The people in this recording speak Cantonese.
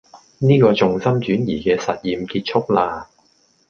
呢個重心轉移嘅實驗結束啦